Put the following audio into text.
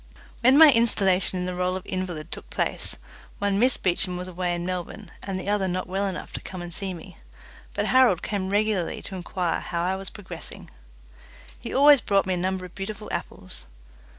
When my installation in the role of invalid took place, one Miss Beecham was away in Melbourne, and the other not well enough to come and see me, but Harold came regularly to inquire how I was progressing. He always brought me a number of beautiful apples.